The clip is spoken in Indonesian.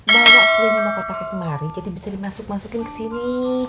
bawa kuenya sama kota kemari jadi bisa dimasuk masukin ke sini